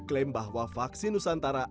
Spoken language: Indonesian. klaim bahwa vaksin nusantara